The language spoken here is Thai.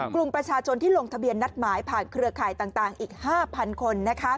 กลุ่มประชาชนที่ลงทะเบียนนัดหมายผ่านเครือข่ายต่างอีก๕๐๐คน